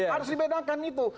harus dibedakan itu